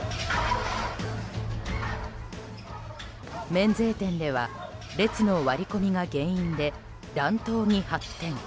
免税店では列の割り込みが原因で乱闘に発展。